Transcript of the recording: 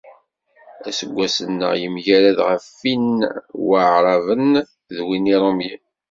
Aseggas-nneɣ yemgared ɣef-win n Aεraben, d win Iṛumyen.